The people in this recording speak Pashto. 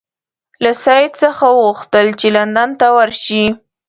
له سید څخه وغوښتل چې لندن ته ورشي.